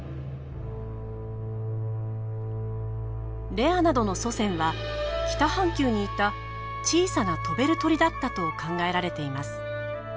レアなどの祖先は北半球にいた小さな飛べる鳥だったと考えられています。